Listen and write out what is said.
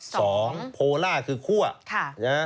สองโพล่าคือคั่วค่ะใช่ไหมนะ